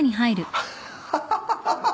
ハハハハ。